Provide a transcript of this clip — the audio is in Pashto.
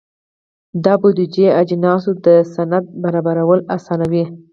دا د بودیجوي اجناسو د سند برابرول اسانوي.